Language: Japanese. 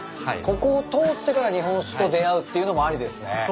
ここを通ってから日本酒と出合うっていうのもありですね。